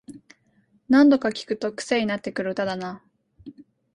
何度か聴くとクセになってくる歌だな